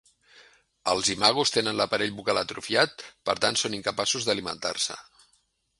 Els imagos tenen l'aparell bucal atrofiat, per tant són incapaços d'alimentar-se.